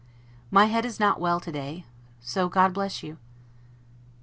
My head is not well to day. So God bless you!